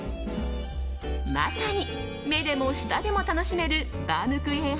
まさに、目でも舌でも楽しめるバウムクーヘン